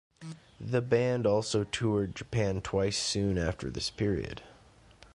The band also toured Japan twice soon after this period.